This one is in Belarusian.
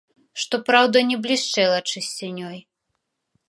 Што праўда, не блішчэла чысцінёй.